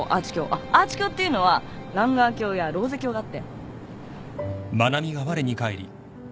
あっアーチ橋っていうのはランガー橋やローゼ橋があって。